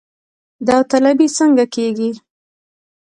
داوطلبي څنګه کیږي؟